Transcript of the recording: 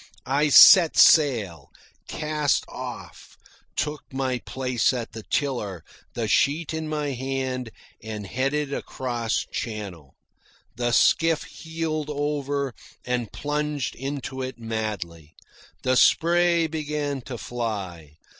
I set sail, cast off, took my place at the tiller, the sheet in my hand, and headed across channel. The skiff heeled over and plunged into it madly. The spray began to fly.